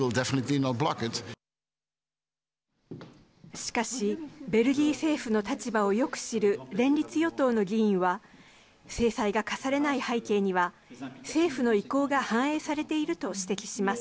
しかしベルギー政府の立場をよく知る連立与党の議員は制裁が科されない背景には政府の意向が反映されていると指摘します。